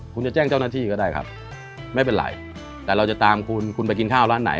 คุณจะแจ้งเจ้าหน้าที่ก็ได้ครับไม่เป็นไรแต่เราจะตามคุณคุณไปกินข้าวร้านไหน